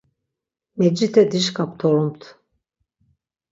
Mecite dişǩa ptorumt.